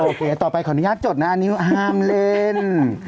โอเคต่อไปขออนุญาตจดนะอันนี้ห้ามเล่น